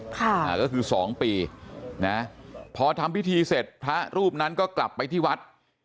ก็คือ๒ปีพอทำพิธีเสร็จพระรูปนั้นก็กลับไปที่วัด